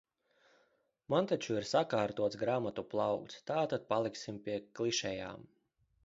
Man taču ir sakārtots grāmatu plaukts, tātad paliksim pie klišejām.